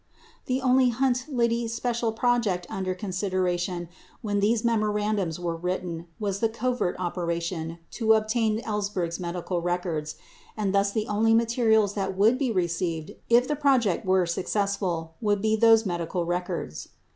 80 The only Hunt/Liddy special project under consideration when these memorandums were written was the "covert operation" to obtain Ellsberg's medical records, and thus the only materials that would be received if the project were successful would be those medical records.